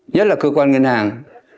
nhất là cơ quan ngân hàng